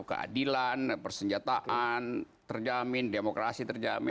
keadilan persenjataan terjamin demokrasi terjamin